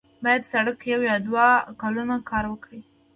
باید سړک یو یا دوه کلونه کار ورکړي.